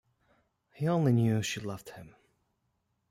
He only knew she loved him.